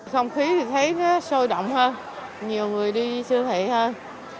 không khí thì thấy nó sôi động hơn nhiều người đi siêu thị hơn